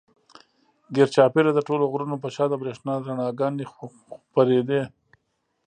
ګېر چاپېره د ټولو غرونو پۀ شا د برېښنا رڼاګانې خورېدې